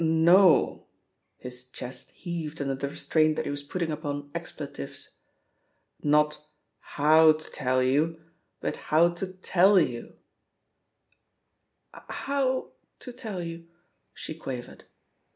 "Nol" His chest heaved under the restraint that he was putting upon expletives. "Not» *How to tell you/ hut *How to tell you/ '*" *How to tell you/ *' she quavered.